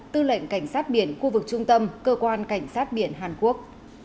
tư lệnh cảnh sát biển khu vực trung tâm cơ quan cảnh sát biển hàn quốc